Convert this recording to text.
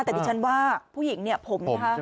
แต่ดิฉันว่าผู้หญิงเนี่ยผมนะคะ